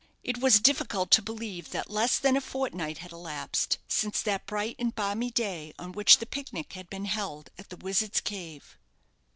It was difficult to believe that less than a fortnight had elapsed since that bright and balmy day on which the picnic had been held at the Wizard's Cave.